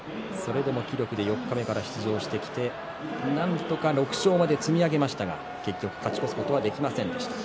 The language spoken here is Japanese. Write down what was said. それでも気力で四日目から出場してきて、なんとか６勝まで積み上げましたが結局勝ち越すことはできませんでした。